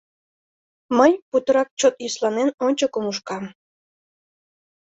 Мый, путырак чот йӧсланен, ончыко нушкам.